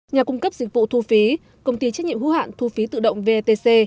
nhà cung cấp dịch vụ thu phí công ty trách nhiệm hữu hạn thu phí tự động vetc